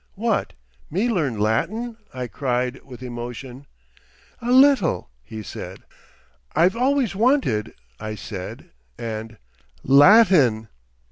"What, me learn Latin!" I cried, with emotion. "A little," he said. "I've always wanted" I said and; "_Latin!